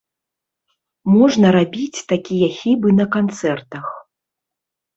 Можна рабіць такія хібы на канцэртах.